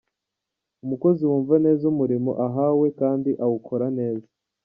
Umukozi wumva neza umurimo ahawe kandi akawukora neza.